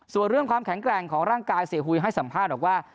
ส่วนเรื่องความแข็งแกร่งของร่างกายเสียหุยให้สัมภาษณ์บอกว่า